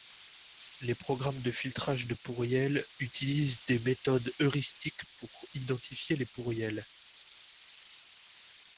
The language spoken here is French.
Les programmes de filtrage de pourriels utilisent des méthodes heuristiques pour identifier les pourriels.